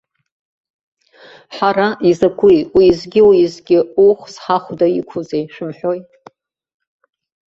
Ҳара, изакуи, уеизгьы-уеизгьы уӷәс ҳахәда иқәузеи, шәымҳәои?